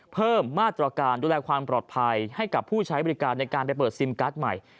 เพิ่มมาตรการดูแลความปลอดภัยให้กับผู้ใช้บริการในการไปเปิดซิมการ์ดใหม่